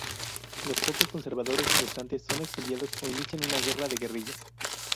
Los pocos conservadores restantes son exiliados o inician una guerra de guerrillas.